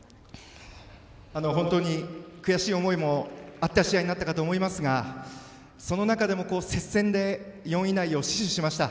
本当に悔しい思いもあった試合になったかと思いますがその中でも接戦で４位以内を死守しました。